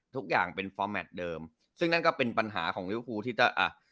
ทุกอย่างเป็นฟอร์แมทเดิมซึ่งนั่นก็เป็นปัญหาของลิวฟูที่จะอ่ะ